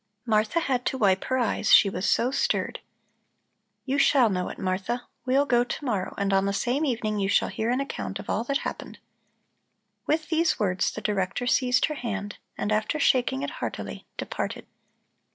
Martha had to wipe her eyes, she was so stirred. "You shall know it, Martha. We'll go tomorrow, and on the same evening you shall hear an account of all that happened." With these words the Director seized her hand, and after shaking it heartily, departed.